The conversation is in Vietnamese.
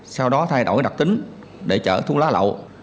sau đó thay đổi đặc tính để chở thuốc lá lậu